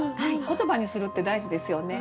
言葉にするって大事ですよね。